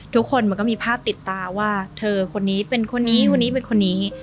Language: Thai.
ทุกคนมันก็มีภาพติดตาว่าเธอคนนี้เป็นคนนี้คนนี้เป็นคนนี้